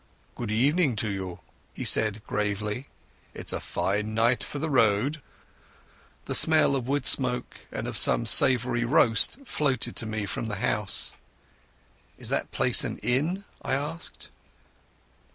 "Good evening to you," he said gravely. "It's a fine night for the road." The smell of peat smoke and of some savoury roast floated to me from the house. "Is that place an inn?" I asked.